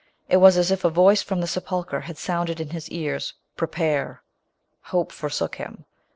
It was as if a voice from the sepulchre had sounded in his ears, " Prepare !" Hope forsook him.